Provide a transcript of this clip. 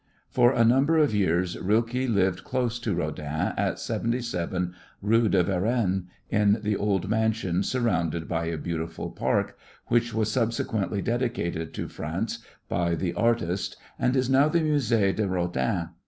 For a number of years Rilke lived close to Rodin at 77 rue de Varenne, in the old mansion surrounded by a beautiful park which was subsequently dedicated to France by the artist and is now the Musée de Rodin.